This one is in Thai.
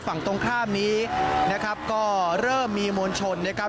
ฝั่งตรงข้ามนี้นะครับก็เริ่มมีมวลชนนะครับ